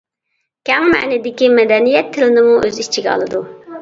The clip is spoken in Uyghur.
كەڭ مەنىدىكى مەدەنىيەت تىلنىمۇ ئۆز ئىچىگە ئالىدۇ.